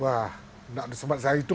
wah tidak sempat saya hitung